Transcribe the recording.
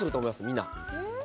みんな。